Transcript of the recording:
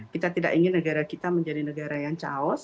kita tidak ingin negara kita menjadi negara yang chaos